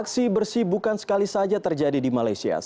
aksi bersih bukan sekali saja terjadi di negara tapi juga di negara